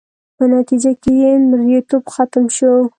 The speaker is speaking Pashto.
په نتیجه کې یې مریتوب ختم شو.